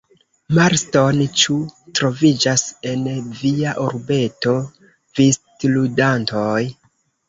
Marston, ĉu troviĝas en via urbeto vistludantoj?